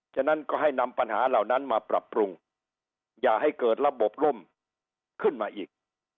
ฉะนั้นก็ให้นำปัญหาเหล่านั้นมาปรับปรุงอย่าให้เกิดระบบร่มขึ้นมาอีก